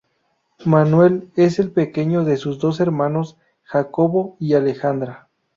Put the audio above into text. Manuel es el pequeño de sus dos hermanos, Jacobo y Alejandra.